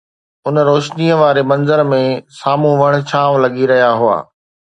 ان روشنيءَ واري منظر ۾ سامهون وڻ ڇانوَ لڳي رهيا هئا